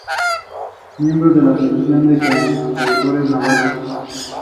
Fosfatasa alcalina